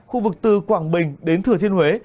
khu vực từ quảng bình đến thừa thiên huế